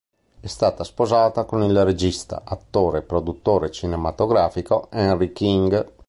È stata sposata con il regista, attore e produttore cinematografico Henry King.